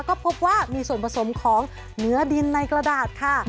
ก็พบว่ามีส่วนผสมของเนื้อดินในกระดาษค่ะ